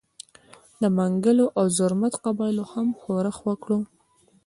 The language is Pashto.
د منګلو او زرمت قبایلو هم ښورښ وکړ.